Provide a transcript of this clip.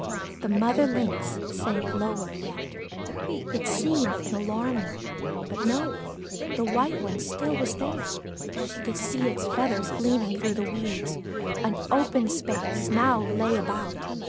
The mother Lynx sank lower yet. It seemed an alarm note; but no, the white one still was there; she could see its feathers gleaming through the weeds. An open space now lay about.